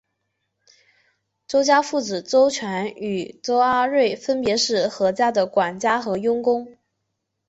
周家父子周金与周阿瑞分别是何家的管家和佣工。